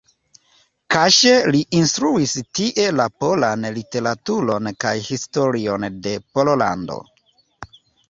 Kaŝe li instruis tie la polan literaturon kaj historion de Pollando.